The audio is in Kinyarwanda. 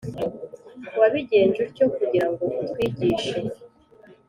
Wabigenje utyo kugira ngo utwigishe,